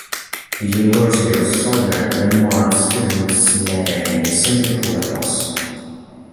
The University of Southern Denmark's students' magazine is simply called "Rust".